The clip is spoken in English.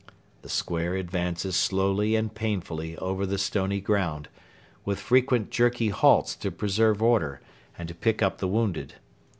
The square advances slowly and painfully over the stony ground, with frequent jerky halts to preserve order and to pick up the wounded.